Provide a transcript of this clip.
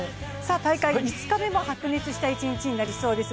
大会５日目も白熱した一日となりそうです。